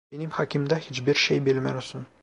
Benim hakkımda hiçbir şey bilmiyorsun.